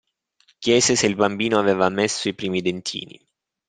Chiese se il bambino aveva messo i primi dentini.